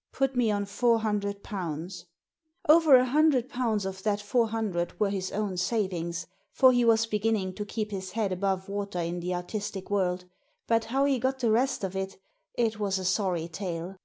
" Put me on four hundred pounds." Over a hundred pounds of that four hundred were his own savings, for he was beginning to keep his head above water in the artistic world ; but how he got the rest of it — it was a sorry tale.